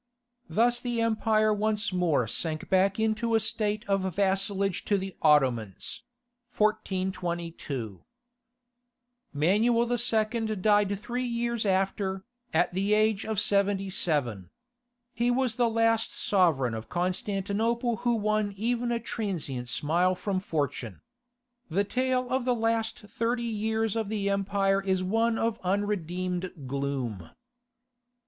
Thus the empire once more sank back into a state of vassalage to the Ottomans . Manuel II. died three years after, at the age of seventy seven. He was the last sovereign of Constantinople who won even a transient smile from fortune. The tale of the last thirty years of the empire is one of unredeemed gloom.